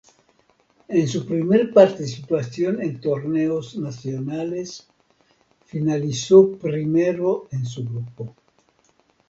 En su primer participación en torneos nacionales, finalizó primero en su grupo.